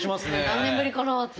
何年ぶりかな？